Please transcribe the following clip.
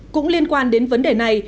cũng liên quan đến vấn đề này